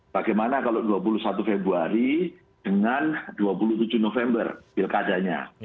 bagaimana kalau dua puluh satu februari dengan dua puluh tujuh november pilkadanya